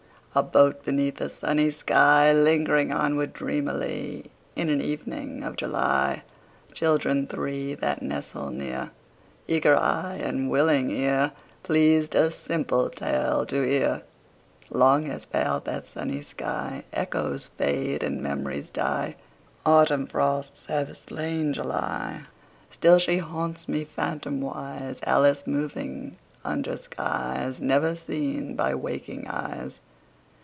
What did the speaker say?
A boat beneath a sunny sky, Lingering onward dreamily In an evening of July— Children three that nestle near, Eager eye and willing ear, Pleased a simple tale to hear— Long has paled that sunny sky: Echoes fade and memories die. Autumn frosts have slain July. Still she haunts me, phantomwise, Alice moving under skies Never seen by waking eyes.